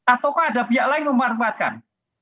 atau ada pihak lain yang memanfaatkan